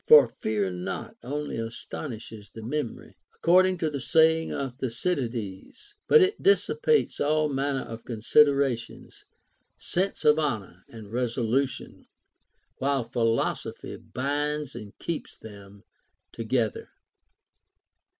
For fear not only astonishes the memory, according to the saying of Thucydides, X but it dis sipates all manner of consideration, sense of honor, and resolution ; while philosophy binds and keeps them to gether.